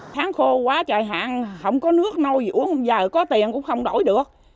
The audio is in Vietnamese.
tháng khô quá trời hạn không có nước nâu dũa giờ có tiền cũng không đổi được